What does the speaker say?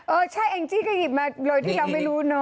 เออใช่แองจี้ก็หยิบมาโดยที่เราไม่รู้เนอะ